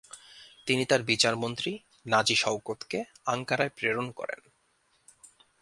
তিনি তার বিচারমন্ত্রী নাজি শওকতকে আঙ্কারায় প্রেরণ করেন।